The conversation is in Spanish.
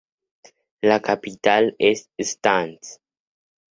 La capital es Stans.